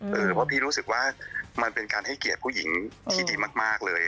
เพราะพี่รู้สึกว่ามันเป็นการให้เกียรติผู้หญิงที่ดีมากเลย